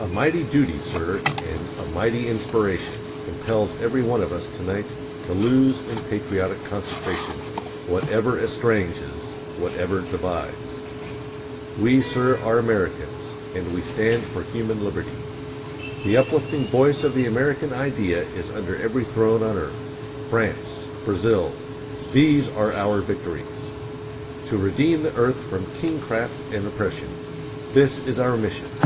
_A MIGHTY DUTY, SIR, AND A MIGHTY INSPIRATION impels every one of us to night to lose in patriotic consecration WHATEVER ESTRANGES, WHATEVER DIVIDES._ WE, SIR, are Americans AND WE STAND FOR HUMAN LIBERTY! The uplifting force of the American idea is under every throne on earth. _France, Brazil THESE ARE OUR VICTORIES. To redeem the earth from kingcraft and oppression THIS IS OUR MISSION!